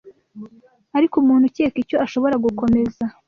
ariko umuntu ukeka icyo ashobora gukomeza